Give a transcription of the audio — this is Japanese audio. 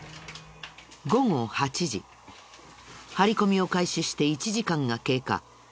張り込みを開始して１時間が経過。